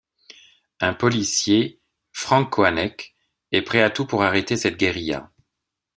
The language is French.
Un policier, Frank Kohanek, est prêt à tout pour arrêter cette guérilla.